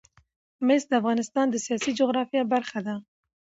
مس د افغانستان د سیاسي جغرافیه برخه ده.